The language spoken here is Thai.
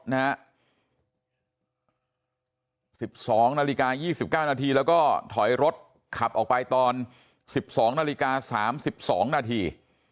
๑๒นาฬิกา๒๙นาทีแล้วก็ถอยรถขับออกไปตอน๑๒นาฬิกา๓๒นาที